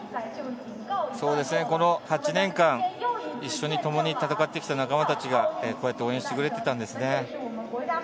そうですね、この８年間、一緒に共に戦ってきた仲間たちがこうやって応援してくれていたんですね。